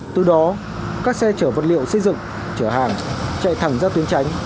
từ đó các xe chở vật liệu xây dựng trở hàng chạy thẳng ra tuyến tránh